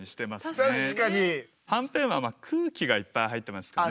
はんぺんは空気がいっぱい入ってますかね。